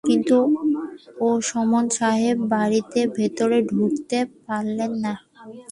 কিন্তু ওসমান সাহেবের বাড়ির ভেতর ঢুকতে পারলেন না।